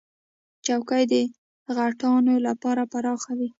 چوکۍ د غټانو لپاره پراخه وي.